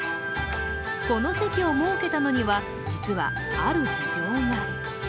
この席を設けたのには実は、ある事情が。